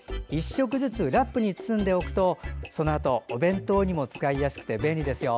１食ずつラップに包んでおくとそのあとお弁当にも使いやすくて便利ですよ。